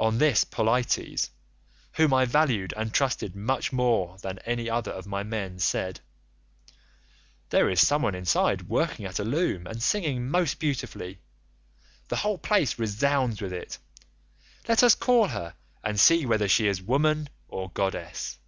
On this Polites, whom I valued and trusted more than any other of my men, said, 'There is some one inside working at a loom and singing most beautifully; the whole place resounds with it, let us call her and see whether she is woman or goddess.